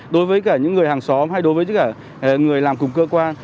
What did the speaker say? đối với những người hàng xóm hay đối với những người làm cùng cơ quan